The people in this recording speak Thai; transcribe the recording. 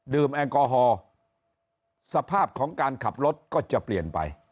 แอลกอฮอล์สภาพของการขับรถก็จะเปลี่ยนไป